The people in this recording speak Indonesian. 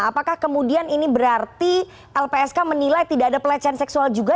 apakah kemudian ini berarti lpsk menilai tidak ada pelecehan seksual juga